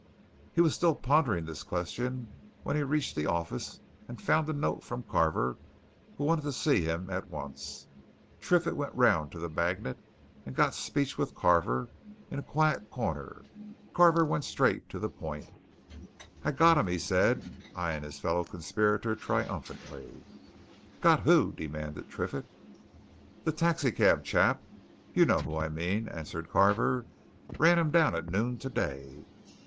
He was still pondering this question when he reached the office and found a note from Carver who wanted to see him at once. Triffitt went round to the Magnet and got speech with Carver in a quiet corner. Carver went straight to his point. "I've got him," he said, eyeing his fellow conspirator triumphantly. "Got who?" demanded Triffitt. "That taxi cab chap you know who I mean," answered Carver. "Ran him down at noon today."